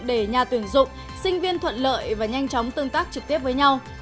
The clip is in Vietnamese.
để nhà tuyển dụng sinh viên thuận lợi và nhanh chóng tương tác trực tiếp với nhau